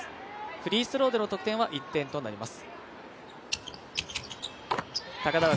フリースローでの得点は１点となります。